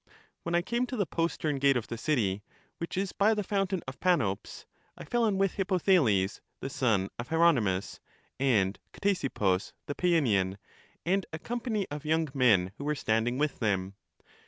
When I came to the postern gate of the city, which is by the fountain of Panops, I fell in with Hippothales, the son of Hieronymus, and Ctesippus the Paeanian, and a company of young men who were standing with them.